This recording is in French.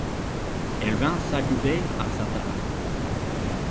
Elle vint s’accouder à sa table.